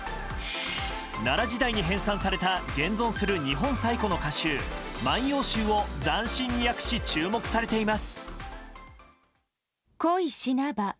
奈良時代に編纂された現存する日本最古の歌集「万葉集」を斬新に訳し、注目されています。